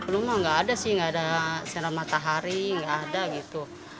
rumah nggak ada sih nggak ada sinar matahari nggak ada gitu